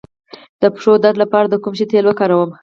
د پښو درد لپاره د کوم شي تېل وکاروم؟